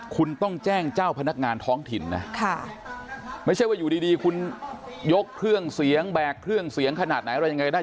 คุณต้องแจ้งเจ้าพนักงานท้องถิ่นนะไม่ใช่ว่าอยู่ดีคุณยกเครื่องเสียงแบกเครื่องเสียงขนาดไหนอะไรยังไงได้